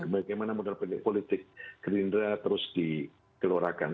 bagaimana modal politik gerindra terus dikeluarkan